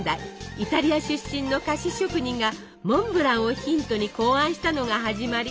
イタリア出身の菓子職人がモンブランをヒントに考案したのが始まり。